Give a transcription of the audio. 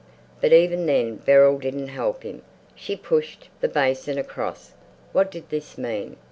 But even then Beryl didn't help him; she pushed the basin across. What did this mean?